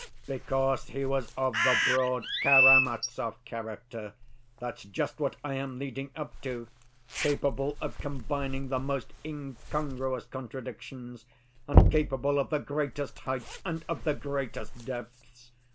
Because he was of the broad Karamazov character—that's just what I am leading up to—capable of combining the most incongruous contradictions, and capable of the greatest heights and of the greatest depths.